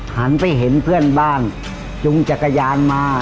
หันไปเห็นเพื่อนบ้านจุงจักรยานมา